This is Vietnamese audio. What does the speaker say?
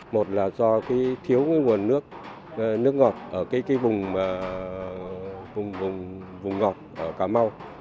một là do thiếu nguồn nước nước ngọt ở cái vùng ngọt ở cà mau